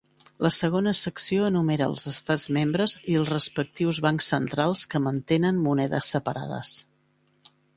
La segona secció enumera els estats membres i els respectius bancs centrals que mantenen monedes separades.